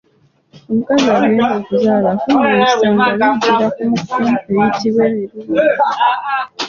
Omukazi agenda okuzaala afuna ebisa nga bijjira kumukumu ebiyitibwa Ebiruliruli.